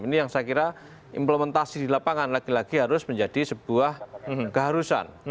ini yang saya kira implementasi di lapangan lagi lagi harus menjadi sebuah keharusan